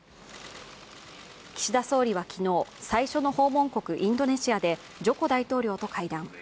岸田総理は昨日、最初の訪問国インドネシアで、ジョコ大統領と会談。